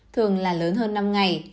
thường là lớn hơn năm ngày